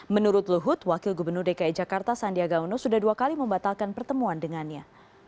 menurut luhut wakil gubernur dki jakarta sandiaga uno sudah dua kali membatalkan pertemuan dengannya